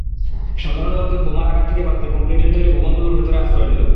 সাধারণ লোকজন বোমার আঘাত থেকে বাঁচতে কংক্রিটের তৈরি ভবনগুলোর ভেতরে আশ্রয় নিল।